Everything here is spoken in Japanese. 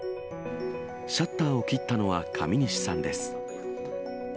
シャッターを切ったのは上西さんです。